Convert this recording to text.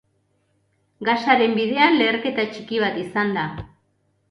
Gasaren bidean leherketa txiki bat izan da.